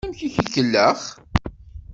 Amek ay ak-ikellex?